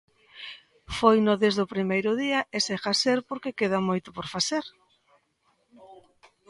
Foino desde o primeiro día e segue a ser porque queda moito por facer.